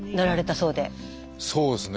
そうですね